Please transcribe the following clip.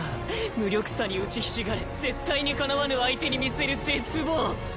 無力さに打ちひしがれ絶対にかなわぬ相手に見せる絶望！